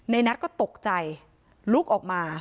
นัทก็ตกใจลุกออกมา